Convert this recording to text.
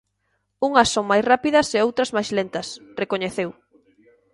"Unhas son máis rápidas e outras máis lentas", recoñeceu.